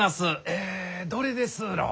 えどれですろう？